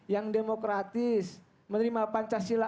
yang demokratis menerima pancasila